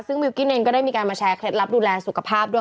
ซึ่งมิวกิ้นเองก็ได้มีการมาแชร์เคล็ดลับดูแลสุขภาพด้วย